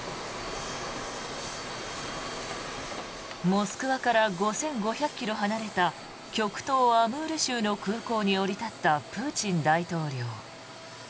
モスクワから５５００ｋｍ離れた極東アムール州の空港に降り立ったプーチン大統領。